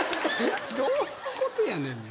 どういうことやねんな。